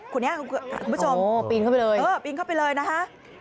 คุณผู้ชมปีนเข้าไปเลยนะคะ